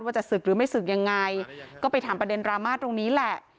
จะศึกหรือไม่ศึกยังไงก็ไปถามประเด็นดราม่าตรงนี้แหละ